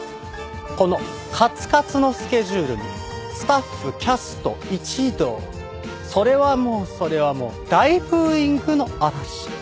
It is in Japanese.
このカツカツのスケジュールにスタッフキャスト一同それはもうそれはもう大ブーイングの嵐。